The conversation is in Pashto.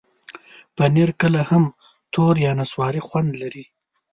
پنېر کله هم تور یا نسواري خوند لري.